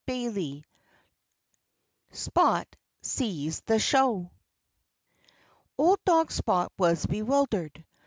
XXIII SPOT SEES THE SHOW Old dog Spot was bewildered.